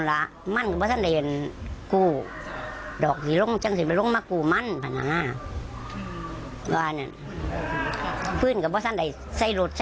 ตาเราขับรถไถค่ะนี่ประจำหรือจึงไหนจ๊ะ